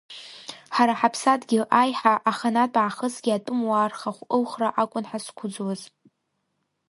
Ҳара ҳаԥсадгьыл аиҳа аханатә аахысгьы, атәымуаа рхахә ылхра акәын ҳазқәыӡуаз!